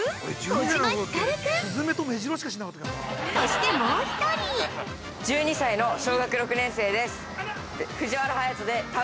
小島光琉くんそしてもう一人◆１２歳の小学６年生です。